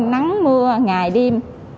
nắng mưa ngày đêm